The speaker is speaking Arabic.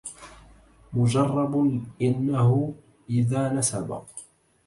مجرب أنه إذا نسب